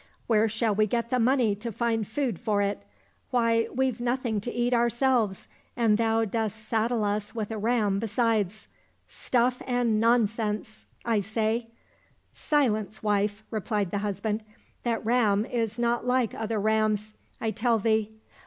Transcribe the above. Where shall we get the money to find food for it ? Why, we've nothing to eat ourselves, and thou dost saddle us with a ram besides. Stuff and nonsense ! 36 THE STORY OF THE WIND I say." —" Silence, wife," replied the husband ;" that ram is not like other rams, I tell thee."